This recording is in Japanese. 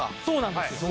そうなんですよ。